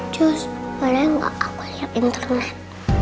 just boleh gak aku lihat internet